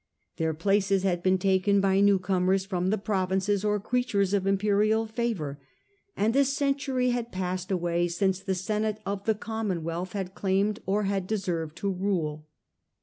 Their places had been taken by new comers from the provinces or creatures of imperial favour, and a century had passed away since the senate of the commonwealth had claimed or had deserved to rule.